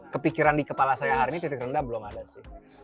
kepikiran di kepala saya hari ini titik rendah belum ada sih